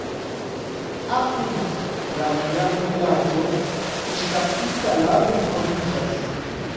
Apud la grandvilaĝo fiŝkaptista lago troviĝas.